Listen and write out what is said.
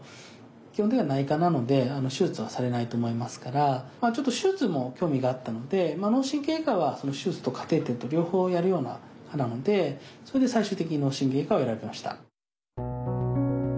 基本的には内科なので手術はされないと思いますからちょっと手術にも興味があったので脳神経外科は手術とカテーテルと両方やるような科なのでそれで最終的に脳神経外科を選びました。